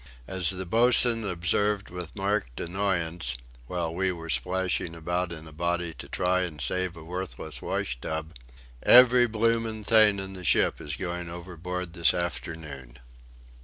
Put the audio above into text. As the boatswain observed with marked annoyance, while we were splashing about in a body to try and save a worthless wash tub: "Every blooming thing in the ship is going overboard this afternoon."